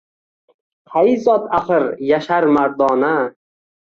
Qay zot axir yashar mardona